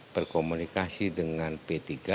berkomunikasi dengan p tiga